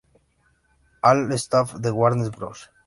Al staff de Warner Bros.